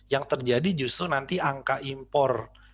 yang terjadi justru nanti angka impor